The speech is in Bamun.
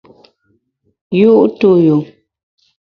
Yu’ tu yu.